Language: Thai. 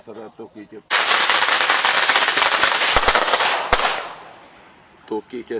จากฝั่งภูมิธรรมฝั่งภูมิธรรม